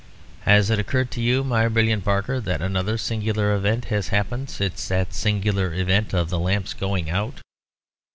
Has it occurred to you, my brilliant Barker, that another singular event has happened since that singular event of the lamps going out?"